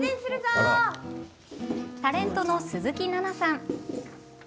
タレントの鈴木奈々さん。